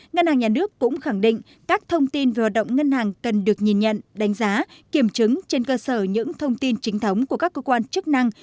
ngân hàng nhà nước cũng khẳng định các thông tin về hoạt động ngân hàng cần được nhìn nhận đánh giá kiểm chứng trên cơ sở những thông tin chính thống của các cơ quan chức năng